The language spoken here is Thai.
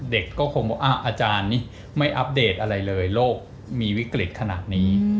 เด็กก็คงบอกอาจารย์นี่ไม่อัปเดตอะไรเลยโรคมีวิกฤตขนาดนี้